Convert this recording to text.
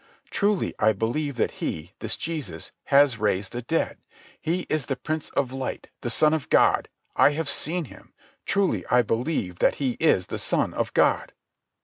"Truly I believe that He, this Jesus, has raised the dead. He is the Prince of Light, the Son of God. I have seen Him. Truly I believe that He is the Son of God."